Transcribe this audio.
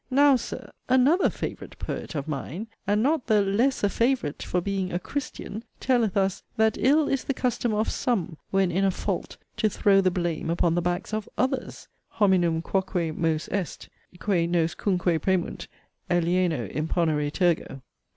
Now, Sir, 'another' favourite poet of mine (and not the 'less a favourite' for being a 'Christian') telleth us, that ill is the custom of 'some,' when in a 'fault,' to throw the blame upon the backs of 'others,' ' Hominum quoque mos est, Quæ nos cunque premunt, alieno imponere tergo.'